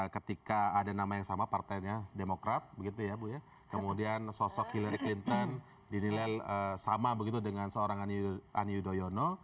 ketika ada nama yang sama partainya demokrat kemudian sosok hillary clinton dinilai sama dengan seorang aniudoyono